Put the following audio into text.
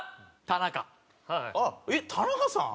田中さん？